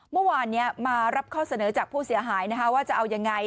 เมื่อวานนี้มารับข้อเสนอจากผู้เสียหายว่าจะเอายังไง